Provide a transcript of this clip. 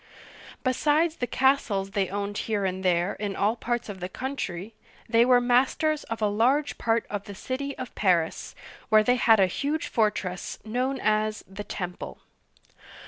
Besides the castles they owned here and there in all parts of the coun try, they were masters of a large part of the city of Paris, where they had a huge fortress known as " the Temple.'